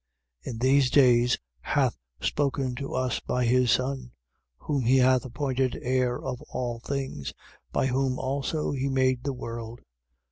In these days, hath spoken to us by his Son, whom he hath appointed heir of all things, by whom also he made the world.